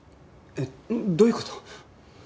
えっどういう事？